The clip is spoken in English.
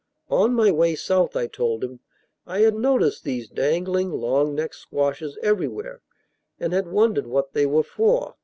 On my way South, I told him, I had noticed these dangling long necked squashes everywhere, and had wondered what they were for.